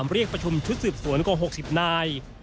เรียกประชุมชุดสืบสวนกว่า๖๐นาย